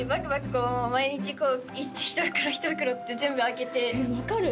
こう毎日１袋１袋って全部開けてえっ分かる